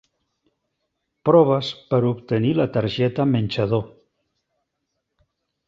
Proves per obtenir la targeta menjador.